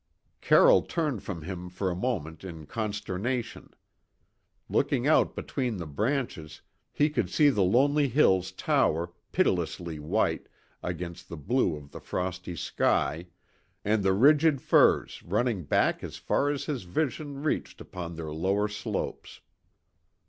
Carroll turned from him for a moment in consternation. Looking out between the branches, he could see the lonely hills tower, pitilessly white, against the blue of the frosty sky, and the rigid firs running back as far as his vision reached upon their lower slopes.